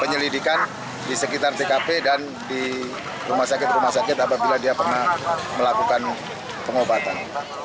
penyelidikan di sekitar tkp dan di rumah sakit rumah sakit apabila dia pernah melakukan pengobatan